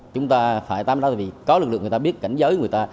chúng ta phải tắm đó vì có lực lượng người ta biết cảnh giới người ta